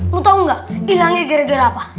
lo tau gak hilangnya gara gara apa